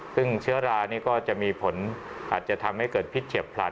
ซึ่งเชื้อรานี่ก็จะมีผลอาจจะทำให้เกิดพิษเฉียบผลั